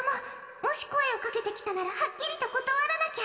もし声をかけてきたらはっきりと断らなきゃ。